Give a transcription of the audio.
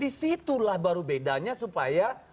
disitulah baru bedanya supaya